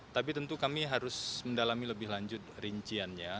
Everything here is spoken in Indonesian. tapi tentu kami harus mendalami lebih lanjut rinciannya